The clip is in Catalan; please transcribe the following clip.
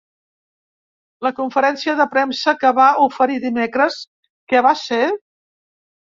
La conferència de premsa que va oferir dimecres, què va ser?